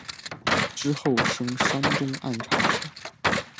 之后升山东按察使。